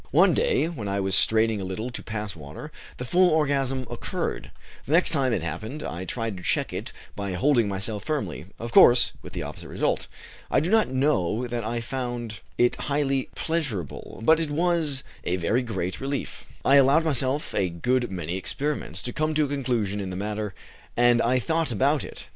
One day, when I was straining a little to pass water, the full orgasm occurred. The next time it happened, I tried to check it by holding myself firmly, of course, with the opposite result. I do not know that I found it highly pleasurable, but it was a very great relief. I allowed myself a good many experiments, to come to a conclusion in the matter, and I thought about it.